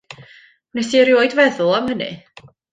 Wnes i erioed feddwl am hynny.